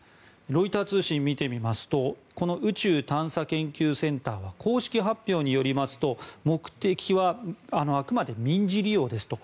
ロイター通信を見てみますとこの宇宙探査研究センターは公式発表によりますと目的はあくまで民事利用ですと。